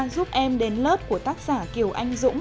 giúp em đến lớp của tác giả kiều anh dũng